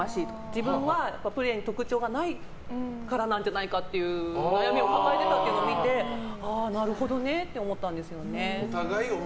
自分はプレーに特徴がないからなんじゃないかっていう悩みを抱えてたっていうのを見てなるほどねって思ったんですよね。